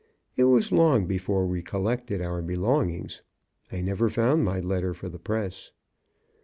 It was long before we collected our belongings. I never found my letter for the press.